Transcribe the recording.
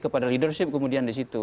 kepada leadership kemudian di situ